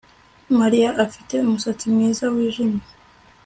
Mariya afite umusatsi mwiza wijimye